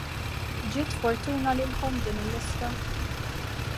Giet fornuta lilkom din il-lista?